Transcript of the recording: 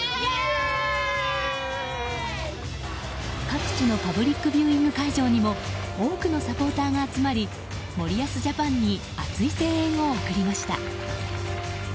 各地のパブリックビューイング会場にも多くのサポーターが集まり森保ジャパンに熱い声援を送りました。